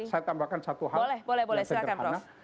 saya tambahkan satu hal boleh sederhana